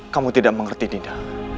kamu tidak mengerti dinda